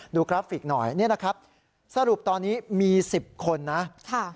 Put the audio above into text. กราฟิกหน่อยนี่นะครับสรุปตอนนี้มี๑๐คนนะ